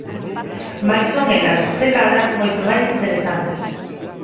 Mais son elas, se cadra, moito máis interesantes.